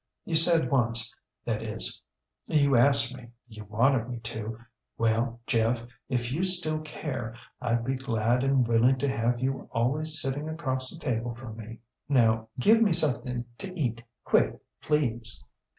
You said onceŌĆöthat is, you asked meŌĆöyou wanted me toŌĆöwell, Jeff, if you still careŌĆöIŌĆÖd be glad and willing to have you always sitting across the table from me. Now give me something to eat, quick, please.